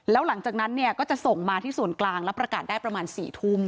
แล้วหลังจากนั้นเนี่ยก็จะส่งมาที่ส่วนกลางแล้วประกาศได้ประมาณ๔ทุ่ม